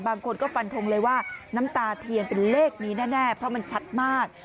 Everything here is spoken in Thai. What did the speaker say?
บางคนก็ฟันทงเลยว่าน้ำตาเทียนเป็นเลขนี้แน่เพราะมันชัดมาก